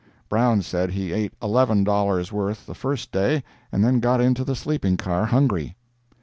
Brown said he ate eleven dollars' worth the first day and then got into the sleeping car hungry.